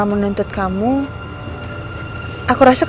kamu yang udah bikin nama suami aku tuh jadi jelek